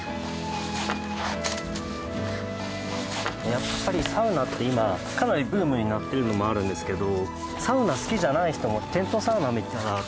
やっぱりサウナって今かなりブームになってるのもあるんですけど。